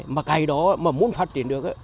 mà cái đó mà muốn phát triển được